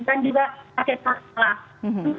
dan juga sakit perut